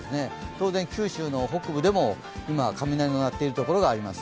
当然九州の北部でも今、雷が鳴っているところがあります。